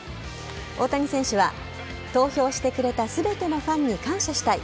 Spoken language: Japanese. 大谷選手は投票してくれた全てのファンに感謝したい。